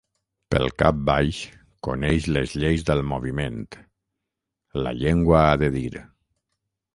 Pel cap baix, coneix les lleis del moviment: “La llengua ha de dir.